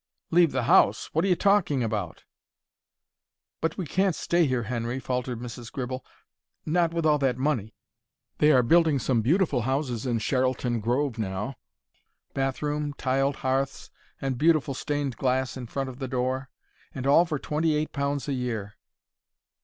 "Leave the house! What are you talking about?" "But we can't stay here, Henry," faltered Mrs. Gribble. "Not with all that money. They are building some beautiful houses in Charlton Grove now—bathroom, tiled hearths, and beautiful stained glass in the front door; and all for twenty eight pounds a year."